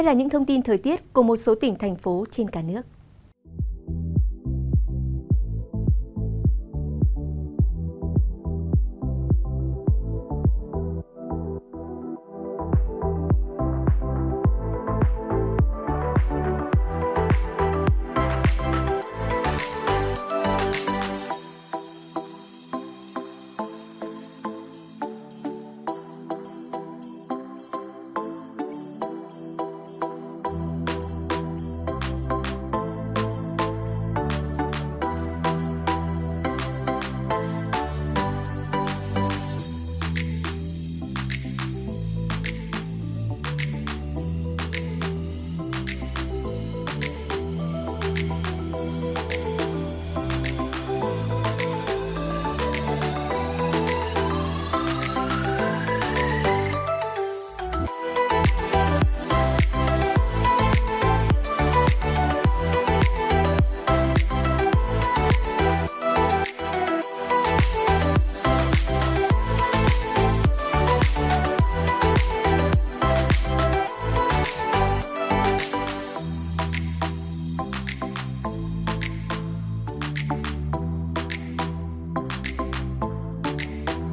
đăng ký kênh để ủng hộ kênh của chúng mình nhé